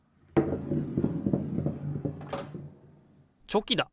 チョキだ！